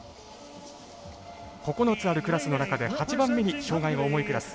９つあるクラスの中で８番目に障がいが重いクラス。